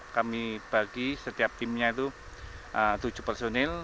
kami bagi setiap timnya itu tujuh personil